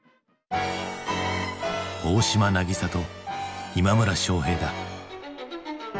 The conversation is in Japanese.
大島渚と今村昌平だ。